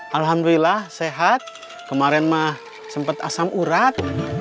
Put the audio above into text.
alhamdulillah sehat kemarin mah sempat asam urat